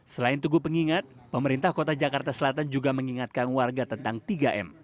selain tugu pengingat pemerintah kota jakarta selatan juga mengingatkan warga tentang tiga m